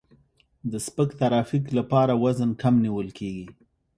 د سپک ترافیک لپاره وزن کم نیول کیږي